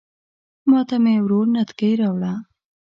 ماته مې ورور نتکۍ راوړه